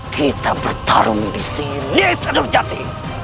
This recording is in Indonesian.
kita bertarung disini